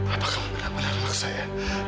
apa kamu benar benar anak saya